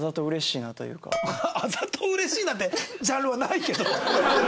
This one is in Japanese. あざと嬉しいなんてジャンルはないけど。